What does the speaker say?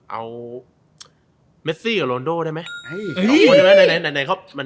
เอาเมซี่กับโรนโดได้ไหม